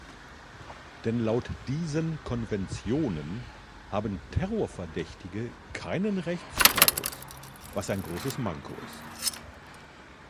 Denn laut diesen Konventionen haben Terrorverdächtige keinen Rechtsstatus, was ein großes Manko ist.